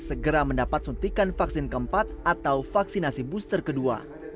segera mendapat suntikan vaksin keempat atau vaksinasi booster kedua